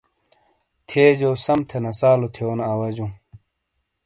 تھیے جو سم تھے نسالو تھیونو اواجوں۔